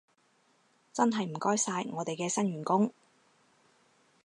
真係唔該晒，我哋嘅新員工